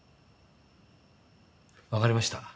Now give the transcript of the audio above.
わかりました。